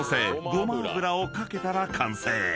ごま油を掛けたら完成］